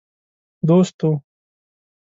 دوست وو.